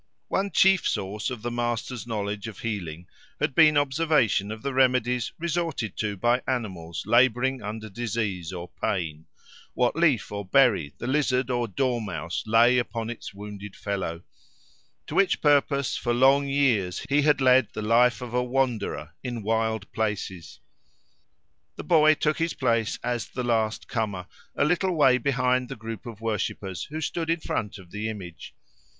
—One chief source of the master's knowledge of healing had been observation of the remedies resorted to by animals labouring under disease or pain—what leaf or berry the lizard or dormouse lay upon its wounded fellow; to which purpose for long years he had led the life of a wanderer, in wild places. The boy took his place as the last comer, a little way behind the group of worshippers who stood in front of the image.